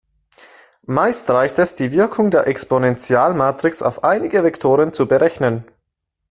Meist reicht es, die Wirkung der Exponential-Matrix auf einige Vektoren zu berechnen.